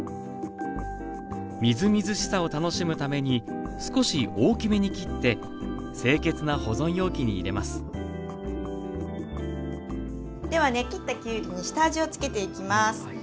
みずみずしさを楽しむために少し大きめに切って清潔な保存容器に入れますではね切ったきゅうりに下味を付けていきます。